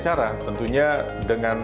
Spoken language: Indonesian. cara tentunya dengan